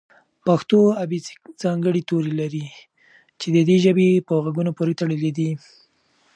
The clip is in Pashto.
پښتو ابېڅې ځانګړي توري لري چې د دې ژبې په غږونو پورې تړلي دي.